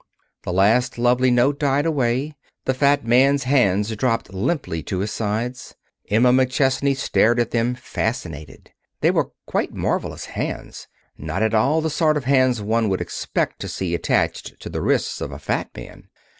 The last lovely note died away. The fat man's hands dropped limply to his sides. Emma McChesney stared at them, fascinated. They were quite marvelous hands; not at all the sort of hands one would expect to see attached to the wrists of a fat man.